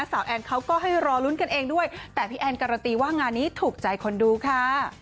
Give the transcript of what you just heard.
แอนเขาก็ให้รอลุ้นกันเองด้วยแต่พี่แอนการันตีว่างานนี้ถูกใจคนดูค่ะ